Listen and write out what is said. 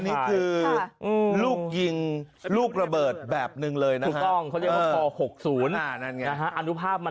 อันนี้คือลูกยิงลูกระเบิดแบบนึงเลยเนอะหัวข้อ๐๖๐๐กลับมา